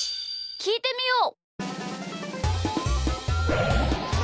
きいてみよう！